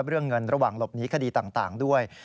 เรื่องเงินระหว่างหลบหนีคดีต่างด้วย